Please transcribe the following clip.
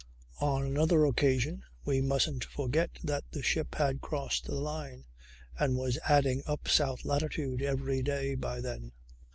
On another occasion ... we mustn't forget that the ship had crossed the line and was adding up south latitude every day by then